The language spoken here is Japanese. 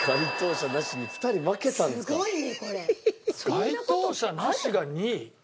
該当者なしが２位？